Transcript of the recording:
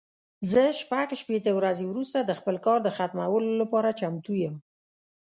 زه شپږ شپېته ورځې وروسته د خپل کار د ختمولو لپاره چمتو یم.